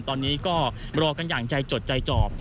ตอนนี้ก็รอกันอย่างใจจดใจจอบ